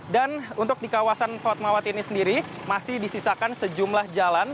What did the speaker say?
dan untuk di kawasan fatmawati ini sendiri masih disisakan sejumlah jalan